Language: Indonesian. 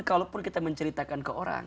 kalaupun kita menceritakan ke orang